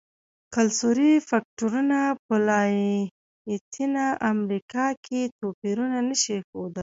کلتوري فکټورونه په لاتینه امریکا کې توپیرونه نه شي ښودلی.